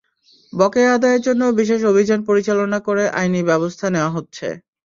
বকেয়া আদায়ের জন্য বিশেষ অভিযান পরিচালনা করে আইনি ব্যবস্থা নেওয়া হচ্ছে।